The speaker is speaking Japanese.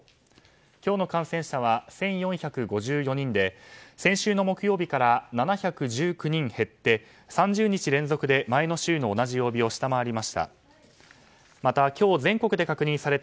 今日の感染者は１４５４人で先週の木曜日から７１９人減って３０日連続で前の週の同じ曜日を下回りました。